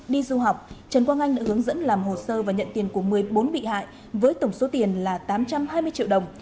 đi du học trần quang anh đã hướng dẫn làm hồ sơ và nhận tiền của một mươi bốn bị hại với tổng số tiền là tám trăm hai mươi triệu đồng